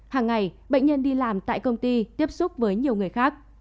hàng ngày bệnh nhân đi làm tại công ty tiếp xúc với nhiều người khác